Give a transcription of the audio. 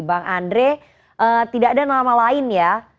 bang andre tidak ada nama lain ya